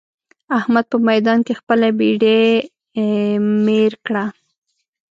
احمد په ميدان کې خپله بېډۍ مير کړه.